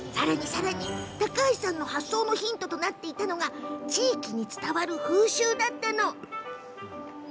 さらに、高橋さんの発想のヒントとなっていたのが地域に伝わる風習だったの。